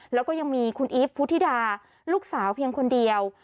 แล้วก็ยังมีคุณอีฟพุทธิดาลูกสาวเพียงคนเดียว